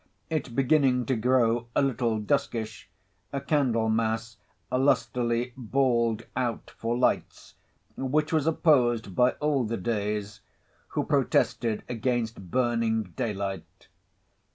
It beginning to grow a little duskish, Candlemas lustily bawled out for lights, which was opposed by all the Days, who protested against burning daylight.